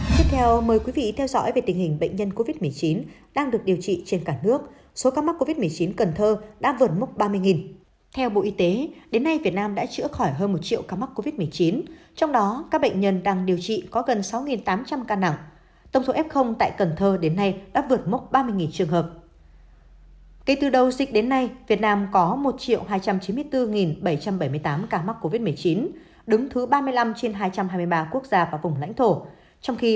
tiếp theo mời quý vị theo dõi về tình hình bệnh nhân covid một mươi chín đang được điều trị trên cả nước số ca mắc covid một mươi chín cần thơ đã vượt mốc ba mươi